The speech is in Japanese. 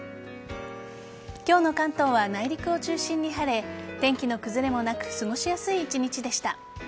今日の関東は内陸を中心に晴れ天気の崩れもなく過ごしやすい一日でした。